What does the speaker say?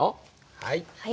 はい。